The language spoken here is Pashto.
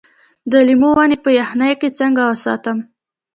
د لیمو ونې په یخنۍ کې څنګه وساتم؟